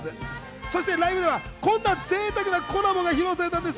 そしてライブではこんな贅沢なコラボが披露されたんです。